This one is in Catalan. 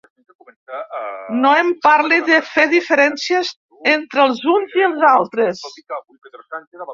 No em parli de fer diferències entre els uns i els altres.